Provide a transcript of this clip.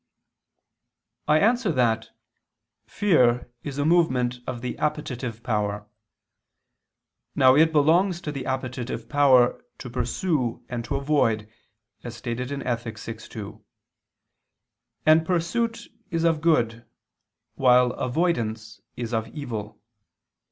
I answer that, Fear is a movement of the appetitive power. Now it belongs to the appetitive power to pursue and to avoid, as stated in Ethic. vi, 2: and pursuit is of good, while avoidance is of evil.